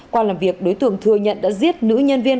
qua làm việc đối tượng thừa nhận đã giết nữ nhân viên